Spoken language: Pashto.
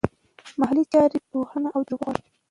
مالي چارې پوهنه او تجربه غواړي.